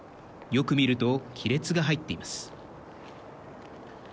よく見ると亀裂が入っています。